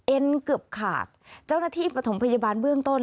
เกือบขาดเจ้าหน้าที่ปฐมพยาบาลเบื้องต้น